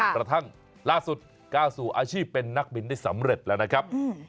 กระทั่งล่าสุดก้าวสู่อาชีพเป็นนักบินได้สำเร็จแล้วนะครับ